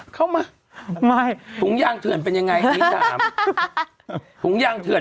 เข้ามามาสมชาติถุงย่างเฉย่อนเป็นยังไงผู้ยังเฉย่อน